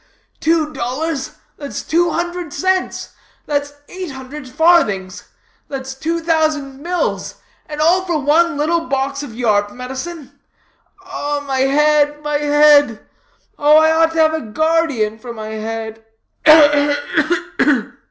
ugh, ugh! Two dollars, that's two hundred cents; that's eight hundred farthings; that's two thousand mills; and all for one little box of yarb medicine. My head, my head! oh, I ought to have a guard_ee_an for; my head.